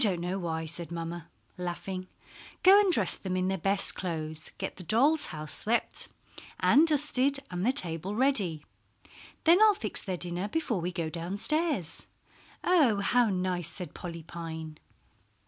] "I don't know why," said mamma, laughing; "go and dress them in their best clothes, get the dolls' house swept and dusted and the table ready. Then I'll fix their dinner before we go downstairs." "Oh, how nice!" said Polly Pine.